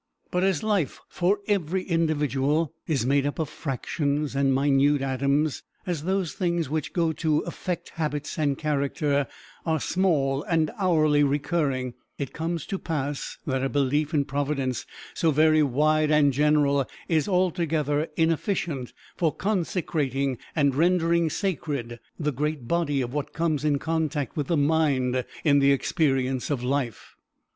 But as life for every individual is made up of fractions and minute atoms as those things which go to affect habits and character are small and hourly recurring, it comes to pass that a belief in Providence so very wide and general is altogether inefficient for consecrating and rendering sacred the great body of what comes in contact with the mind in the experience of life.